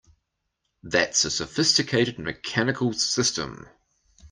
That's a sophisticated mechanical system!